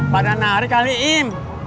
pada nari kali im